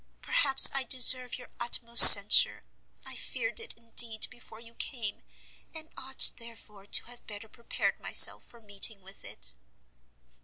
Perhaps I deserve your utmost censure; I feared it, indeed, before you came, and ought, therefore, to have better prepared myself for meeting with it."